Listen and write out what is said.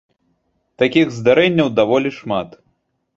Такіх здарэнняў даволі шмат.